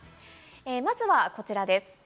まずはこちらです。